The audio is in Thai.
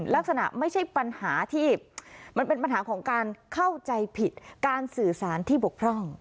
ลักษณะไม่ใช่ปัญหาที่มันเป็นปัญหาของการเข้าใจผิดการสื่อสารที่บกพร่อง